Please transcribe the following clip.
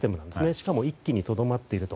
しかも１基にとどまっていると。